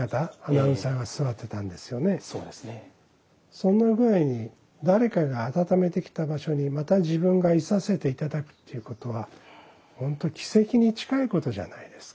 そんな具合に誰かが温めてきた場所にまた自分が居させて頂くっていうことは本当奇跡に近いことじゃないですか。